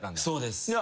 そうです。